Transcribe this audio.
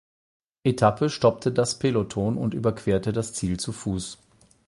Etappe stoppte das Peloton und überquerte das Ziel zu Fuß.